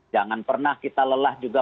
jangan pernah kita lelah juga